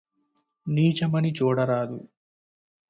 నీచమని చూడరాదు